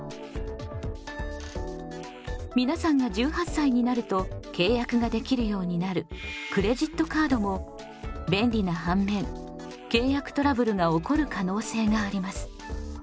皆さんが１８歳になると契約ができるようになるクレジットカードも便利な反面契約トラブルが起こる可能性があります。